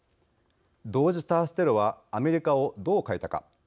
同時多発テロはアメリカをどう変えたか。